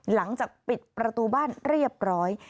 หลังจากปิดประตูบ้านเรียบร้อย